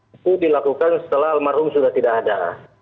itu dilakukan setelah almarhum sudah tidak ada